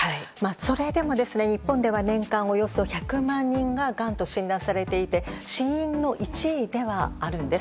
それでも日本では年間およそ１００万人ががんと診断されていて死因の１位ではあるんです。